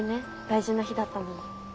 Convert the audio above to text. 大事な日だったのに。